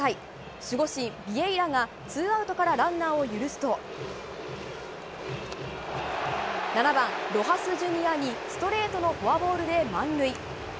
守護神ビエイラがツーアウトからランナーを許すと７番、ロハス・ジュニアにストレートのフォアボールで満塁。